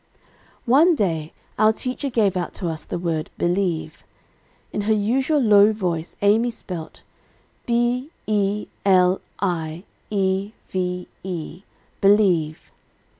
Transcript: "One day our teacher gave out to us the word, believe. In her usual low voice, Amy spelt _'b e l i e v e, believe.'